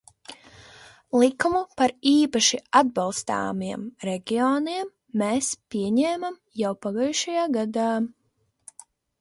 Likumu par īpaši atbalstāmiem reģioniem mēs pieņēmām jau pagājušajā gadā.